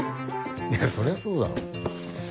そりゃそうだろ。